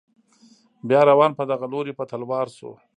بیا روان په دغه لوري په تلوار شو.